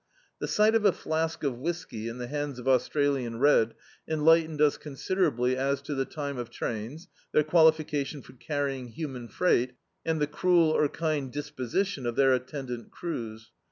The si^t of a flask of whiskey in the hands of Australian Red enli^tened us considerably as to the time of trains, their quali iicati(m for carrying human frei^t, and the cruel or kind disposition of their attendant crews.